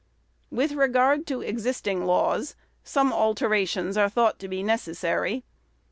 With regard to existing laws, some alterations are thought to be necessary.